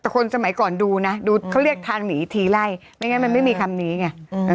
แต่คนสมัยก่อนดูนะดูเขาเรียกทางหนีทีไล่ไม่งั้นมันไม่มีคำนี้ไง